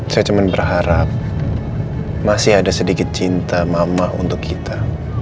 saya cuma berharap masih ada sedikit cinta mama untuk kita